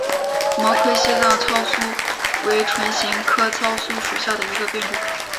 毛盔西藏糙苏为唇形科糙苏属下的一个变种。